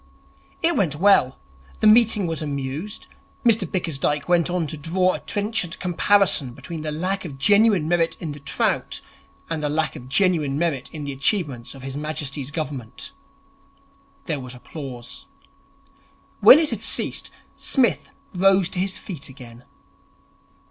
It went well. The meeting was amused. Mr Bickersdyke went on to draw a trenchant comparison between the lack of genuine merit in the trout and the lack of genuine merit in the achievements of His Majesty's Government. There was applause. When it had ceased, Psmith rose to his feet again.